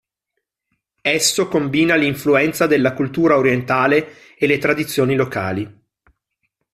Esso combina l'influenza della cultura orientale e le tradizioni locali.